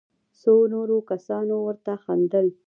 څو نورو کسانو ورته خندل.